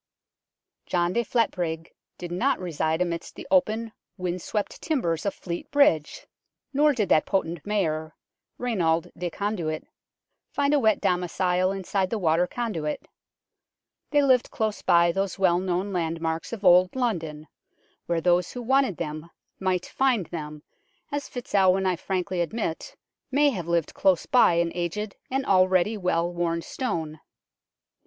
John de Fletbrigge did not reside amidst the open, wind swept timbers of Fleet Bridge, nor did that potent Mayor, Raynald de Conduit, find a wet domicile inside the water conduit. They lived close by those well known landmarks of Old London, where those who wanted them might find them, as FitzAlwin, I frankly admit, may have lived close by an aged and already well worn stone.